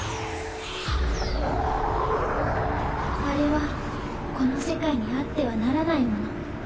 あれはこの世界にあってはならないもの。